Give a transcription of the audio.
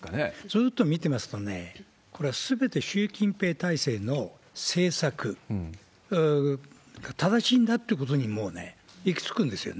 ずーっと見てますとね、これはすべて習近平体制の政策が正しいんだってことに、もうね、行き着くんですよね。